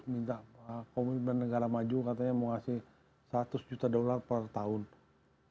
pemerintah komunitas negara maju katanya mau ngasih seratus juta dollar per tahun